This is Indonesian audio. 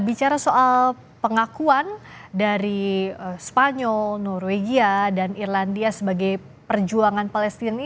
bicara soal pengakuan dari spanyol norwegia dan irlandia sebagai perjuangan palestina ini